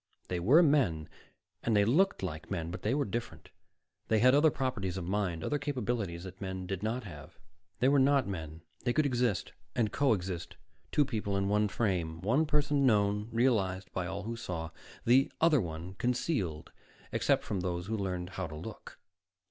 They were men, and they looked like men, but they were different. They had other properties of mind, other capabilities that men did not have. They were not men. They could exist, and co exist, two people in one frame, one person known, realized by all who saw, the other one concealed except from those who learned how to look.